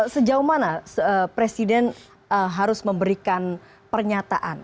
sejauh mana presiden harus memberikan pernyataan